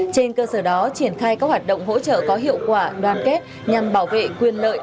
trên cơ sở đó triển khai các hoạt động hỗ trợ có hiệu quả đoàn kết nhằm bảo vệ quyền lợi